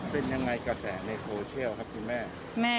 เป็นยังไงกระแสในโซเชียลครับคุณแม่